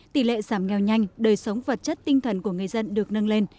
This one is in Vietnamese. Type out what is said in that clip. tỷ lệ giảm nghèo nhanh đời sống vật chất tinh thần của người dân được nâng lên